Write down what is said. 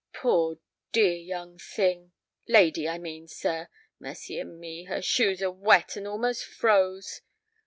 Poor, dear young thing—lady, I mean, sir. Mercy o' me, her shoes are wet and almost froze!"